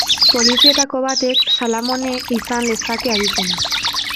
Polizietako batek Salamone izan lezake abizena.